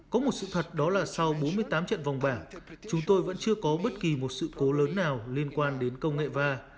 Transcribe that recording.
có một sự thật đó là sau bốn mươi tám trận vòng bảng chúng tôi vẫn chưa có bất kỳ một sự cố lớn nào liên quan đến công nghệ va